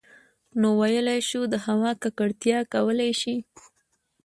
نـو ٫ويلـی شـوو د هـوا ککـړتـيا کـولی شـي